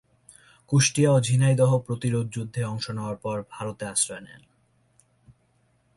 কুষ্টিয়া ও ঝিনাইদহ প্রতিরোধ যুদ্ধে অংশ নেওয়ার পর ভারতে আশ্রয় নেন।